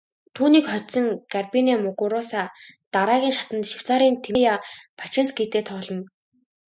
Түүнийг хожсон Гарбинэ Мугуруса дараагийн шатанд Швейцарын Тимея Бачинскитэй тоглоно.